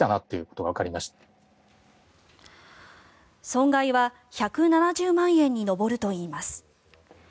損害は１７０万円に上るといいます。